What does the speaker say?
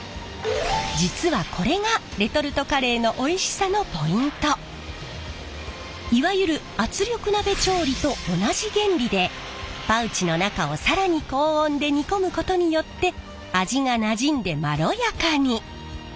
実はこれがいわゆる圧力鍋調理と同じ原理でパウチの中を更に高温で煮込むことによって味がなじんでまろやかに。